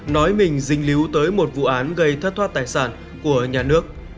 nói mình dinh líu tới một vụ án gây thất thoát tài sản của nhà nước